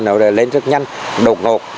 nó lên rất nhanh đột ngột